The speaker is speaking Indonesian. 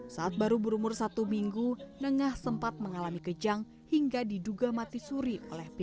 saat baru berumur satu minggu nengah sempat mengalami kejang hingga diduga mati suri oleh pihak